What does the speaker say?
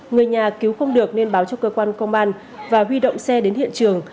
người nhà cứu không được nên báo cho cơ quan công an và huy động xe đến hiện trường